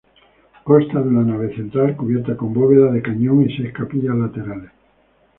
Consta de una nave central cubierta con bóveda de cañón y seis capillas laterales.